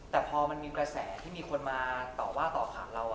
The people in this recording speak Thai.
แต่พอมันมีกระแสที่มีคนมาต่อว่าต่อขานเรา